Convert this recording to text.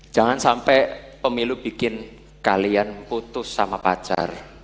jangan sampai pemilu bikin kalian putus sama pacar